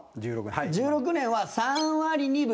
１６年は、３割２分。